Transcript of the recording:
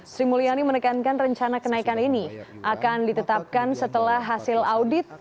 sri mulyani menekankan rencana kenaikan ini akan ditetapkan setelah hasil audit